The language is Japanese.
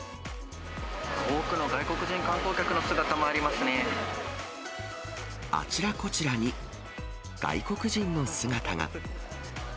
多くの外国人観光客の姿もああちらこちらに外国人の姿が。